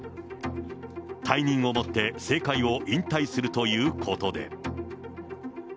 退任をもって政界を引退するということで。